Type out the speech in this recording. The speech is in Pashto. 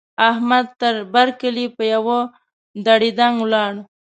احمد؛ تر بر کلي په يوه دړدنګ ولاړ.